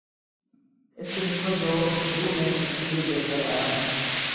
اس کی نسبت جو اردو میں انٹرویو دے کر آ یا ہو